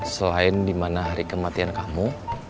selain dimana hari kematian kamu